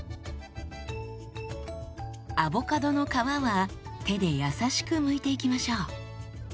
アボカドの皮は手で優しくむいていきましょう。